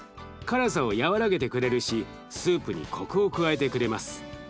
辛さを和らげてくれるしスープにコクを加えてくれます。